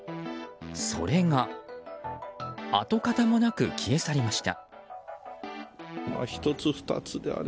それが跡形もなく消え去りました。